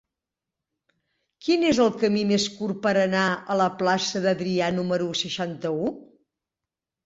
Quin és el camí més curt per anar a la plaça d'Adrià número seixanta-u?